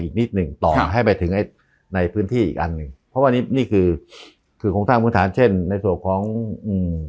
อีกนิดหนึ่งต่อให้ไปถึงไอ้ในพื้นที่อีกอันหนึ่งเพราะว่านี่นี่คือคือโครงสร้างพื้นฐานเช่นในส่วนของอืม